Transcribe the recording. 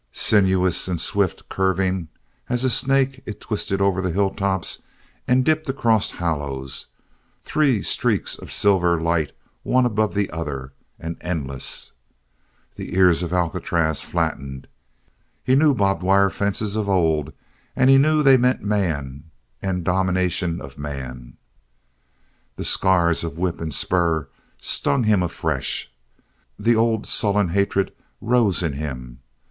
Sinuous and swift curving as a snake it twisted over hilltops and dipped across hollows, three streaks of silver light one above the other, and endless. The ears of Alcatraz flattened. He knew barb wire fences of old and he knew they meant man and domination of man. The scars of whip and spur stung him afresh. The old sullen hatred rose in him.